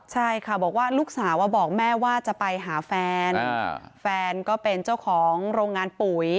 ใช่ค่ะบอกว่าลูกสาวบอกแม่ว่าจะไปหาแฟนแฟนก็เป็นเจ้าของโรงงานปุ๋ย